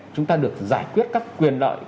chúng ta được giải quyết các quyền lợi